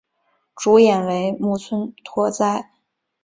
主演为木村拓哉。